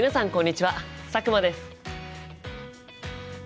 佐久間です。